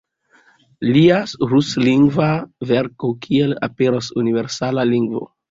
Lia ruslingva verko "Kiel aperos universala lingvo?